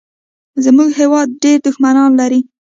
زمونږ هېواد ډېر دوښمنان لري